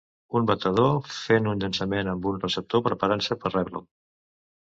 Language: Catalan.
Un batedor fent un llançament amb un receptor preparant-se per rebre'l.